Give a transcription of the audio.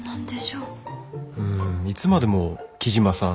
うんいつまでも「雉真さん」